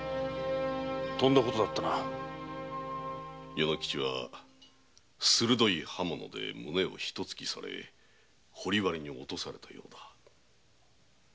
与之吉は鋭い刃物で胸を一突きにされ堀割に落とされたようだ。